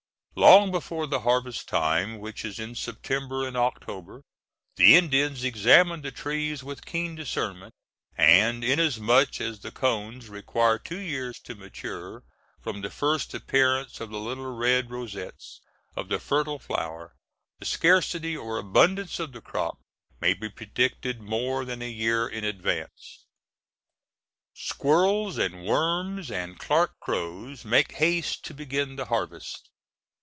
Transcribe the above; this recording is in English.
Long before the harvest time, which is in September and October, the Indians examine the trees with keen discernment, and inasmuch as the cones require two years to mature from the first appearance of the little red rosettes of the fertile flowers, the scarcity or abundance of the crop may be predicted more than a year in advance. Squirrels, and worms, and Clarke crows, make haste to begin the harvest.